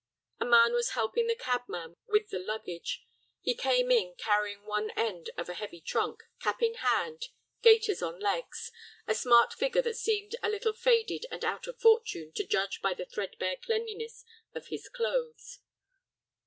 A man was helping the cabman with the luggage. He came in carrying one end of a heavy trunk, cap in hand, gaiters on legs, a smart figure that seemed a little faded and out of fortune, to judge by the threadbare cleanliness of its clothes.